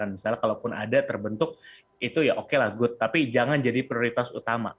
misalnya kalaupun ada terbentuk itu ya oke lah good tapi jangan jadi prioritas utama